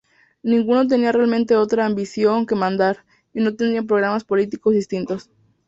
Ninguno tenía realmente otra ambición que mandar, y no tenían programas políticos distintos.